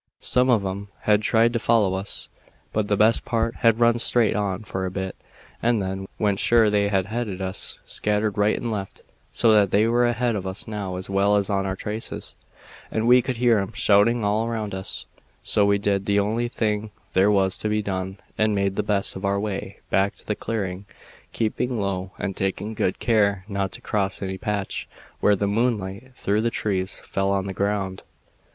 Some of 'em had tried to follow us, but the best part had run straight on for a bit, and then, when sure they had headed us, scattered right and left, so that they were ahead of us now as well as on our traces, and we could hear 'em shouting all round us, so we did the only thing there was to be done and made the best of our way back to the clearing, keeping low and taking good care not to cross any patch where the moonlight through the trees fell on the ground.